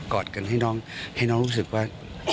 อดกันให้น้องรู้สึกว่า